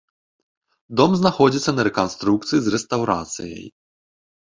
Дом знаходзіўся на рэканструкцыі з рэстаўрацыяй.